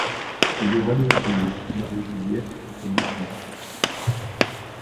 Il aura deux filles Marie-Juliette et Mathilde.